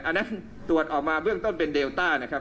อันนั้นตรวจออกมาเบื้องต้นเป็นเดลต้านะครับ